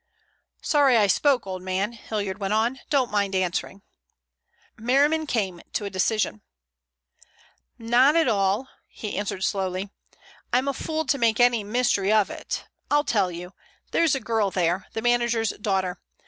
"Sorry I spoke, old man," Hilliard went on. "Don't mind answering." Merriman came to a decision. "Not at all" he answered slowly. "I'm a fool to make any mystery of it. I'll tell you. There is a girl there, the manager's daughter.